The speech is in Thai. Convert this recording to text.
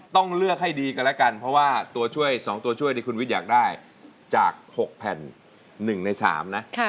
ต้องเลือกให้ดีกันแล้วกันเพราะว่าตัวช่วย๒ตัวช่วยที่คุณวิทย์อยากได้จาก๖แผ่น๑ใน๓นะ